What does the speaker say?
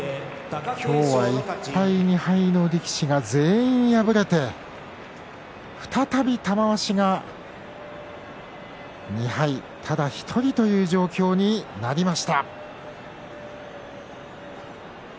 今日は１敗、２敗の力士が全員敗れて再び玉鷲が２敗でただ１人となりました。